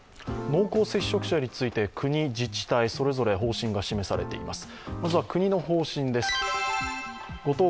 濃厚接触者について国、自治体それぞれ方針が示されています。